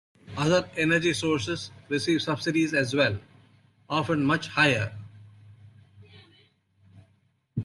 Other energy sources receive subsidies as well, often much higher.